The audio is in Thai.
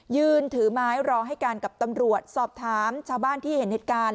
ยืนถือไม้รอให้การกับตำรวจสอบถามชาวบ้านที่เห็นเหตุการณ์